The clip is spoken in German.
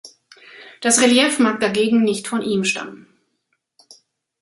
Das Relief mag dagegen nicht von ihm stammen.